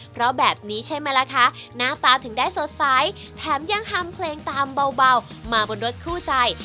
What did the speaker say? เพราะแบบนี้ใช่ไหมล่ะคะหน้าตาถึงได้สดใสแถมยังฮัมเพลงตามเบามาบนรถคู่ใจ